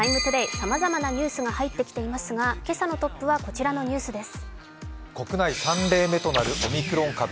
さまざまなニュースが入ってきていますが、今朝のトップはこちらのニュースです。